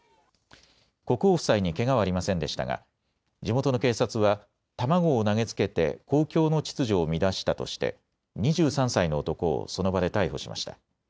国王夫妻にけがはありませんでしたが地元の警察は卵を投げつけて公共の秩序を乱したとして２３歳の男をその場で逮捕しました。